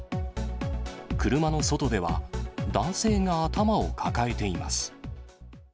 車の外では、男性が頭を抱えています。